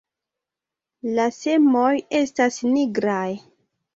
La semoj estas nigraj.